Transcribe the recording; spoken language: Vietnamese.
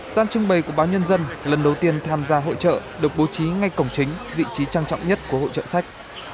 gian trưng bày của báo nhân dân lần đầu tiên tham gia hội trợ được bố trí ngay cổng chính vị trí trang trọng nhất của hội trợ sách